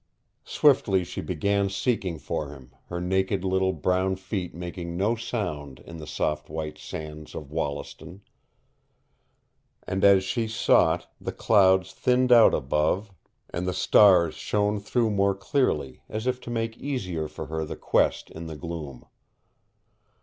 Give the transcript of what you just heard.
Swiftly she began seeking for him, her naked little brown feet making no sound in the soft white sands of Wollaston. And as she sought, the clouds thinned out above, and the stars shone through more clearly, as if to make easier for her the quest in the gloom.